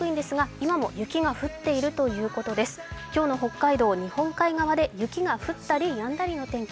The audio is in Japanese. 今日の北海道、日本海側で雪が降ったりやんだりの天気。